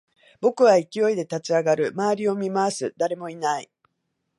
僕は急いで立ち上がる、辺りを見回す、誰もいない